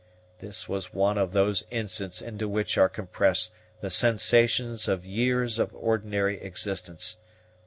This was one of those instants into which are compressed the sensations of years of ordinary existence.